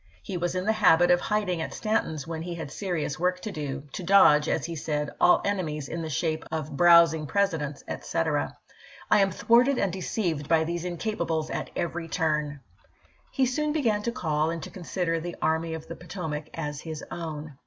He was in the habit of hid ing at Stanton's when he had serious work to do, " to dodge," as he said, " all enemies in the shape of 'browsing' Presidents," etc. "I am thwarted and deceived by these incapables at every turn." iwd., p. m. He soon began to call and to consider the Army of the Potomac as his own.